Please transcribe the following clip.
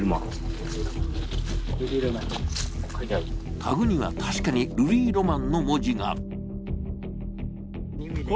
タグには確かにルビーロマンの文字が。